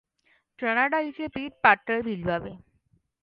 चणाडाळीच्हे पीठ पातंळ भिजवावे.